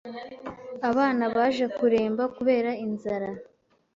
Abana baje kuremba kubera inzara